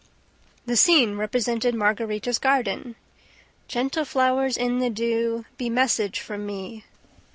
The scene represented Margarita's garden: "Gentle flow'rs in the dew, Be message from me